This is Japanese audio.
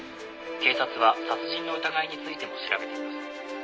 警察は殺人の疑いについても調べています